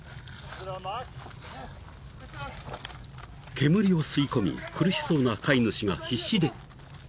［煙を吸い込み苦しそうな飼い主が必死で］